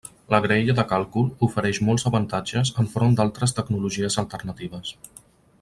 La graella de càlcul ofereix molts avantatges enfront d'altres tecnologies alternatives.